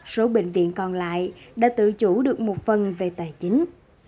số bệnh viện còn lại đã tự chủ được một phần về tài chính